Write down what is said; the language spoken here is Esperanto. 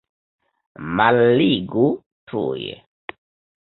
Malligu tuj!